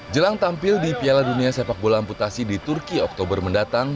jelang tampil di piala dunia sepak bola amputasi di turki oktober mendatang